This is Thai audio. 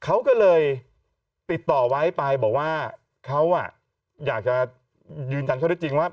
เขาก็เลยติดต่อไว้ไปบอกว่าเขาอยากจะยืนยันเขาได้จริงว่า